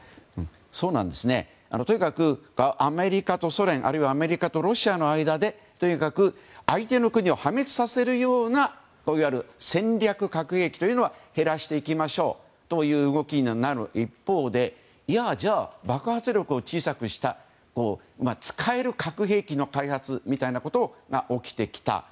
とにかくアメリカとソ連あるいはアメリカとロシアの間でとにかく相手の国を破滅させるような戦略核兵器というのを減らしていきましょうという動きになる一方で爆発力を小さくした使える核兵器の開発みたいなことが起きてきた。